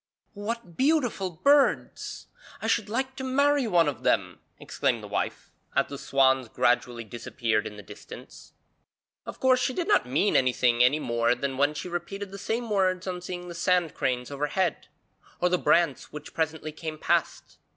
'What beautiful birds! I should like to marry one of them!' exclaimed the wife, as the swans gradually disappeared in the distance. Of course she did not mean anything, any more than when she repeated the same words on seeing the sand cranes overhead, or the brants which presently came past.